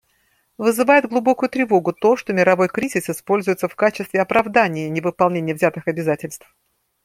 Вызывает глубокую тревогу то, что мировой кризис используется в качестве оправдания невыполнения взятых обязательств.